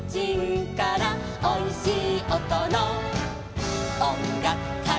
「おいしいおとのおんがくかい」